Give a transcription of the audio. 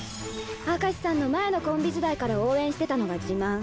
明石さんの前のコンビ時代から応援してたのが自慢。